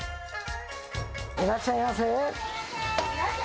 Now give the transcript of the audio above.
いらっしゃいませ。